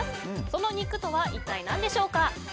その肉とは一体なんでしょうか。